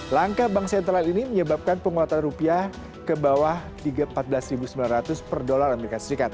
langkah bank sentral ini menyebabkan penguatan rupiah ke bawah empat belas sembilan ratus per dolar as